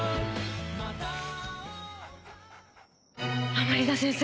甘利田先生